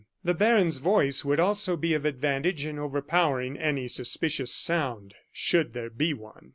The baron's voice would also be of advantage in overpowering any suspicious sound, should there be one.